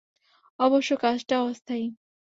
অবশ্য, কাজটা অস্থায়ী।